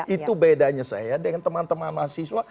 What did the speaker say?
itu bedanya saya dengan teman teman mahasiswa